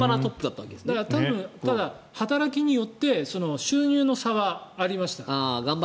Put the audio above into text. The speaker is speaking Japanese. ただ働きによって収入の差はありました。